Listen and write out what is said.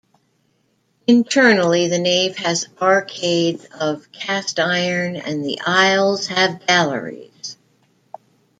Internally the nave has arcades of cast iron and the aisles have galleries.